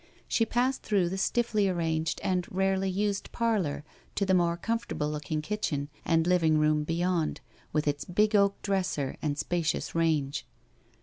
She passed through the stiffly arranged and rarely used parlour, to the more comfortable looking kitchen and living room beyond, with its big oak dresser and spacious range.